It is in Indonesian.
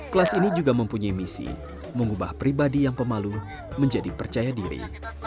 kelas ini juga mempunyai misi mengubah pribadi yang pemalu menjadi percaya diri